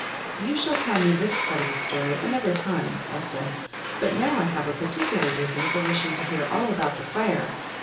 "You shall tell me this part of the story another time," I said; "but now I have a particular reason for wishing to hear all about the fire.